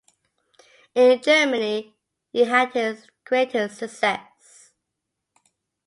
In Germany, he had his greatest success.